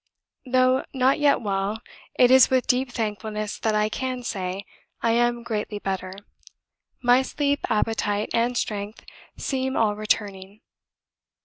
Though not yet well, it is with deep thankfulness that I can say, I am GREATLY BETTER. My sleep, appetite, and strength seem all returning."